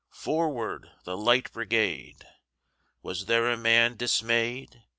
"Forward, the Light Brigade!"Was there a man dismay'd?